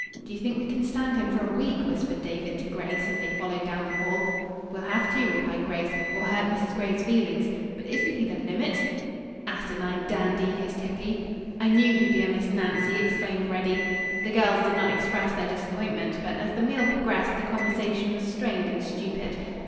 "Do you think we can stand him for a week?" whispered David to Grace, as they followed down the hall. "We'll have to," replied Grace, "or hurt Mrs. Gray's feelings. But isn't he the limit?" "Asinine dandy!" hissed Hippy. "I knew he'd be a Miss Nancy," exclaimed Reddy. The girls did not express their disappointment, but as the meal progressed the conversation was strained and stupid.